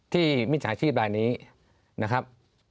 ที่มิจฉาชีพแบบนี้นะครับ